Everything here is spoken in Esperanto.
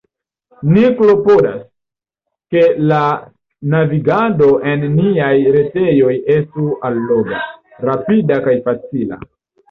Ni klopodas, ke la navigado en niaj retejoj estu alloga, rapida kaj facila.